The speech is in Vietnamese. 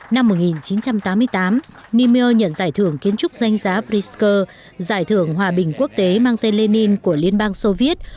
năm một nghìn chín trăm tám mươi tám numil nhận giải thưởng kiến trúc danh giá brisk giải thưởng hòa bình quốc tế mang tên lenin của liên bang soviet